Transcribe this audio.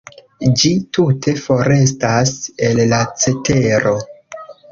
Ĝi tute forestas el la cetero.